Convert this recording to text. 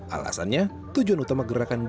alasannya tujuan utama gerakan dua ratus dua belas